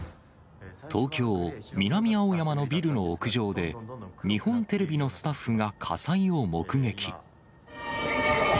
東京・南青山のビルの屋上で、日本テレビのスタッフが火災を目撃。